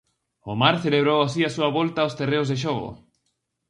Omar celebrou así a súa volta aos terreos de xogo.